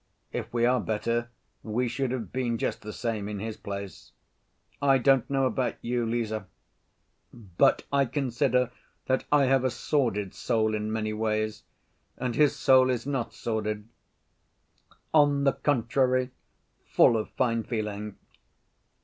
If we are better, we should have been just the same in his place.... I don't know about you, Lise, but I consider that I have a sordid soul in many ways, and his soul is not sordid; on the contrary, full of fine feeling....